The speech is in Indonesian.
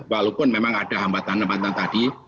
walaupun memang ada hambatan hambatan tadi